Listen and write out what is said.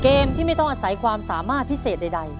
เกมที่ไม่ต้องอาศัยความสามารถพิเศษใด